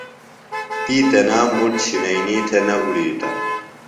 تی تنام مُٹ چِھئینی تھےۡ نہ اُڑِیتہ۔